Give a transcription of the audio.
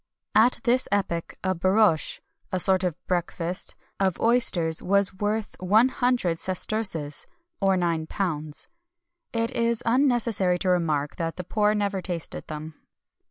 At this epoch a borriche (a sort of basket) of oysters was worth one hundred sesterces (£9).[XXI 220] It is unnecessary to remark that the poor never tasted them.